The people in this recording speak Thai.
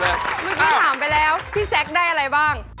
เมื่อกี้ถามไปแล้วพี่แซคได้อะไรบ้าง